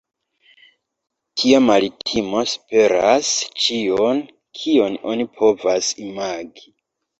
Tia maltimo superas ĉion, kion oni povas imagi.